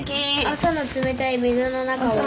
「朝の冷たい水の中を」